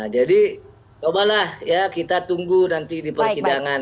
jadi cobalah kita tunggu nanti di persidangan